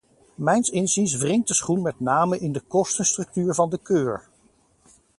Mijns inziens wringt de schoen met name in de kostenstructuur van de keur.